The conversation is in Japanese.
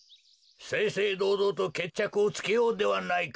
せいせいどうどうとけっちゃくをつけようではないか。